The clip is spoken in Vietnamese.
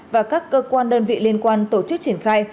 và các cơ quan đơn vị liên quan tổ chức triển khai